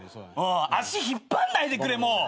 足引っ張んないでくれもう。